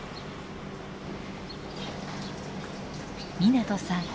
湊さん